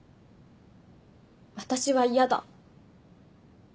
私は嫌だ。